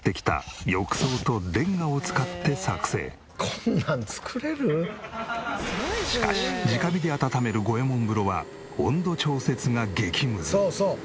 こんなん作れる？しかし直火で温める五右衛門風呂はそうそう。